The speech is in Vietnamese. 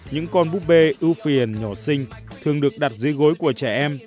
những con búp bê ưu phiền nhỏ sinh thường được đặt dưới gối của trẻ em